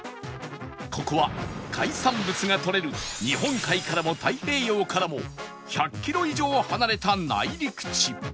ここは海産物がとれる日本海からも太平洋からも１００キロ以上離れた内陸地